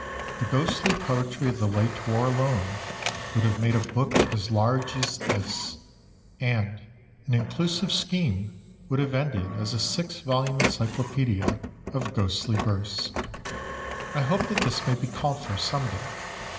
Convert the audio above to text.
The ghostly poetry of the late war alone would have made a book as large as this; and an inclusive scheme would have ended as a six volume Encyclopedia of Ghostly Verse. I hope that this may be called for some day.